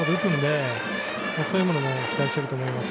そういうものも期待していると思います。